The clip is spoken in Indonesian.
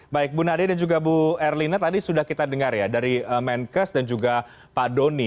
baik bu nadia dan juga bu erlina tadi sudah kita dengar ya dari menkes dan juga pak doni